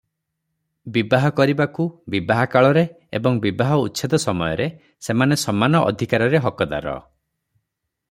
ବିବାହ କରିବାକୁ, ବିବାହ କାଳରେ ଏବଂ ବିବାହ ଉଚ୍ଛେଦ ସମୟରେ ସେମାନେ ସମାନ ଅଧିକାରରେ ହକଦାର ।